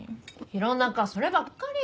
弘中そればっかり。